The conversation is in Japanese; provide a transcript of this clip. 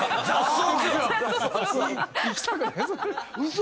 嘘。